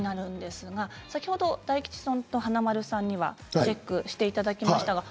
先ほど大吉さんと華丸さんにはチェックしていただきました。